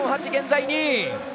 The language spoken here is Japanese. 現在２位。